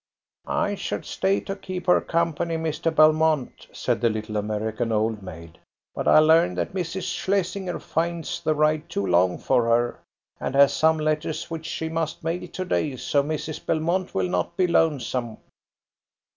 "I should stay to keep her company, Mr. Belmont," said the little American old maid; "but I learn that Mrs. Shlesinger finds the ride too long for her, and has some letters which she must mail to day, so Mrs. Belmont will not be lonesome."